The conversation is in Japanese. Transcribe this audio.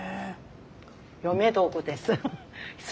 嫁道具です。